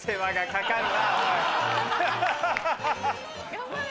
頑張れ！